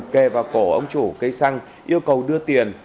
kè vào cổ ông chủ cây xăng yêu cầu đưa tiền